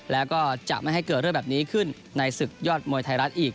แล้วก็จะไม่ให้เกิดเรื่องแบบนี้ขึ้นในศึกยอดมวยไทยรัฐอีก